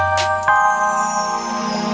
kemudian anda saya datang ya